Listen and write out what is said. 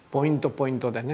ポイントでね。